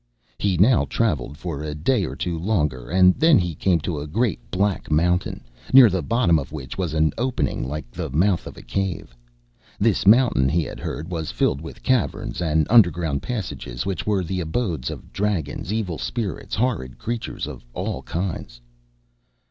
He now travelled for a day or two longer, and then he came to a great black mountain, near the bottom of which was an opening like the mouth of a cave. This mountain he had heard was filled with caverns and under ground passages, which were the abodes of dragons, evil spirits, horrid creatures of all kinds.